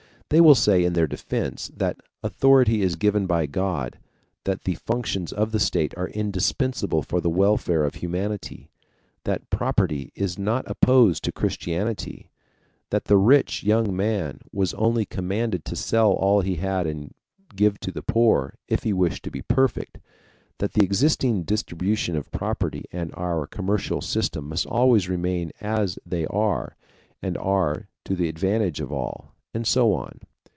They will say in their defense that authority is given by God, that the functions of the state are indispensable for the welfare of humanity, that property is not opposed to Christianity, that the rich young man was only commanded to sell all he had and give to the poor if he wished to be perfect, that the existing distribution of property and our commercial system must always remain as they are, and are to the advantage of all, and so on.